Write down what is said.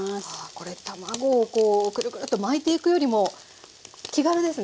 これ卵をこうクルクルッと巻いていくよりも気軽ですね